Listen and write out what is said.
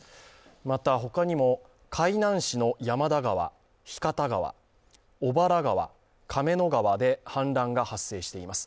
また、ほかにも海南市の山田川、日方川、小原川、亀の川で氾濫が発生しています。